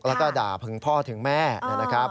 แล้วก็ด่าถึงพ่อถึงแม่นะครับ